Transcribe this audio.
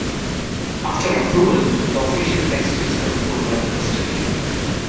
After approval, the official text is controlled by the custodian.